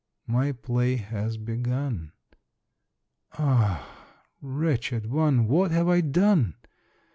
My play has begun. Ah, wretched one ! what have I done?